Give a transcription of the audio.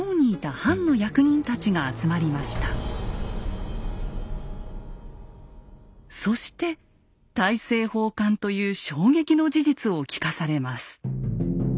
そのためそして大政奉還という衝撃の事実を聞かされます。